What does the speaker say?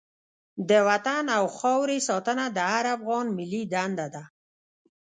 د وطن او خاورې ساتنه د هر افغان ملي دنده ده.